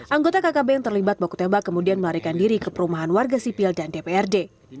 anggota kkb yang terlibat baku tembak kemudian melarikan diri ke perumahan warga sipil dan dprd